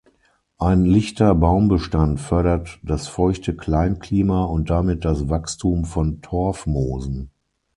Ein lichter Baumbestand fördert das feuchte Kleinklima und damit das Wachstum von Torfmoosen.